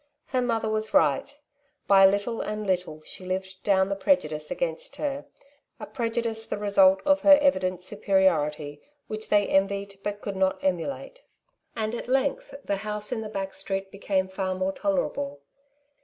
Her mother was right ; by little and little she • lived down the prejudice against her — a prejudice the result of her evident superiority, which they envied, but could not emulate; and at length, the house in the back street became far more tolerable.